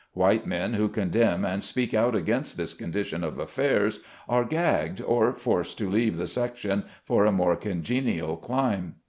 White men who condemn and speak out against this condition of affairs are gagged, or forced to leave the section for a more congenial clime.